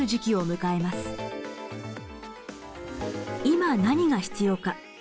今何が必要か。